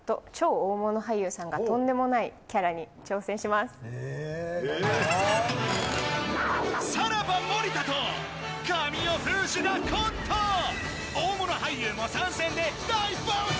大物俳優も参戦で大暴走。